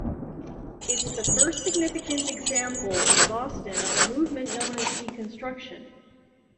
It's the first significant example in Boston of a movement known as deconstruction.